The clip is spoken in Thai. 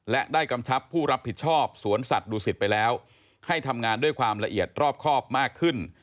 และได้กำชับผู้รับผิดชอบสวนสัตว์ดูสิตไปแล้วให้ทำงานด้วยความละเอียดรอบครอบมากขึ้น